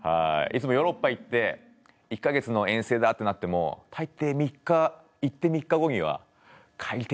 いつもヨーロッパ行って１か月の遠征だってなっても大抵３日行って３日後には帰りてぇなって思ってます。